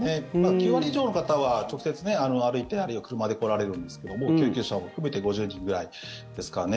９割以上の方は直接歩いてあるいは車で来られるんですが救急車を含めて５０人ぐらいですかね。